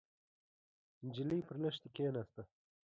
نجلۍ پر لښتي کېناسته.